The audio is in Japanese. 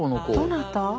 どなた？